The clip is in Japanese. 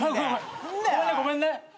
ごめんねごめんね。